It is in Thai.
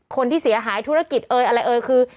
คนที่เสียหายธุรกิจอะไรเออคือ